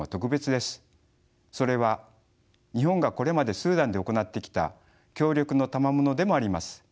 それは日本がこれまでスーダンで行ってきた協力のたまものでもあります。